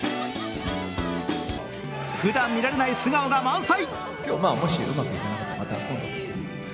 ふだん見られない素顔が満載。